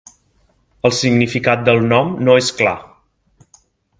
El significat del nom no és clar.